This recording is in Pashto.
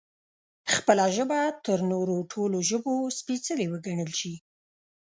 خپله ژبه تر نورو ټولو ژبو سپېڅلې وګڼل شي